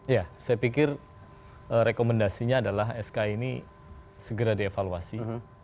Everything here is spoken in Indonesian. ya saya pikir rekomendasinya adalah sk ini segera dievaluasi